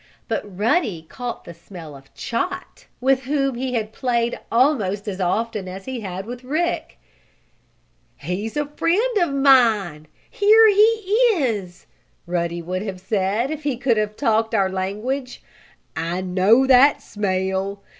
But Ruddy caught the smell of Chot, with whom he had played almost as often as he had with Rick. "Here's a friend of mine! Here he is!" Ruddy would have said, if he could have talked our language. "I know that smell!